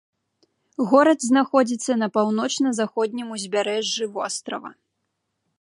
Горад знаходзіцца на паўночна-заходнім узбярэжжы вострава.